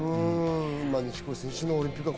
錦織選手のオリンピックは